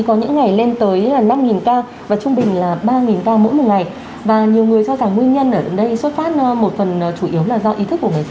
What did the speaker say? ông nhận định nào về vấn đề này